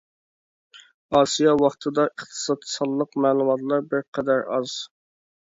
ئاسىيا ۋاقتىدا ئىقتىساد سانلىق مەلۇماتلار بىر قەدەر ئاز.